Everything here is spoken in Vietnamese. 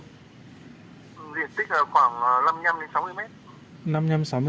diện tích là khoảng năm mươi năm sáu mươi m